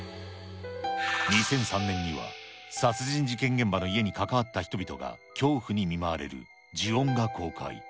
２００３年には殺人事件現場の家に関わった人々が恐怖に見舞われる呪怨が公開。